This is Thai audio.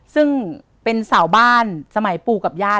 ซึ่งเป็นสาวบ้านสมัยปู่กับย่า